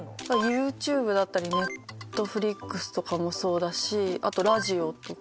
ＹｏｕＴｕｂｅだったりＮｅｔｆｌｉｘとかもそうだしあとラジオとか。